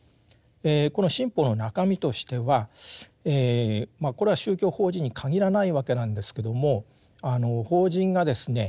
この新法の中身としてはこれは宗教法人に限らないわけなんですけども法人がですね